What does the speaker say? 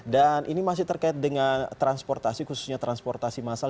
dan ini masih terkait dengan transportasi khususnya transportasi massal